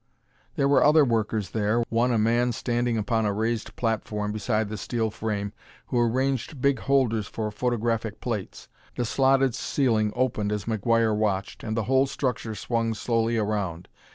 There were other workers there, one a man standing upon a raised platform beside the steel frame, who arranged big holders for photographic plates. The slotted ceiling opened as McGuire watched, and the whole structure swung slowly around.